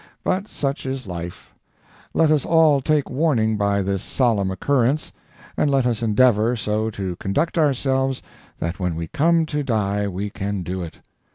But such is life. Let us all take warning by this solemn occurrence, and let us endeavor so to conduct ourselves that when we come to die we can do it.